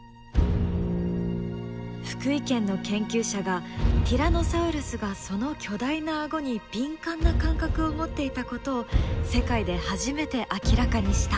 福井県の研究者がティラノサウルスがその巨大な顎に敏感な感覚を持っていたことを世界で初めて明らかにした！